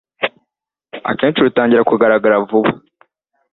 akenshi rutangira kugaragara vuba